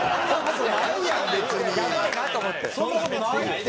そんな事ないって。